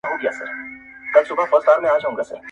پـــه دغـــه كـــوچــنــــي اخـــتــــــــره~